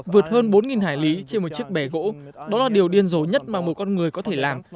vượt hơn bốn hải lý trên một chiếc bè gỗ đó là điều điên rồ nhất mà một con người có thể làm